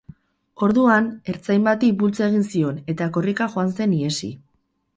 Orduan, ertzain bati bultza egin zion, eta korrika joan zen ihesi.